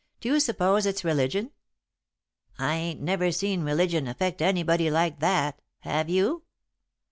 "Do you suppose it's religion?" "I ain't never seen religion affect anybody like that, have you?'